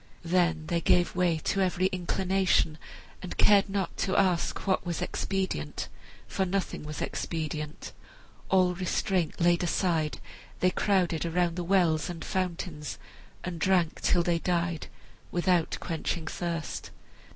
Then they gave way to every inclination, and cared not to ask what was expedient, for nothing was expedient. All restraint laid aside, they crowded around the wells and fountains and drank till they died, without quenching thirst.